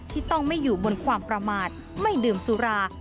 ที่ต้องไม่อยู่บนความประมาทไม่ดื่มสุรา